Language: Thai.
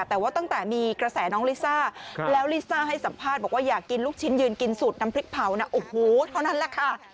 แต่ว่าตั้งแต่มีกระแสน้องลิซ่าแล้วลิซ่าให้สัมภาษณ์บอกว่าอยากกินลูกชิ้นยืนกินสูตรน้ำพริกเผานะโอ้โหเท่านั้นแหละค่ะ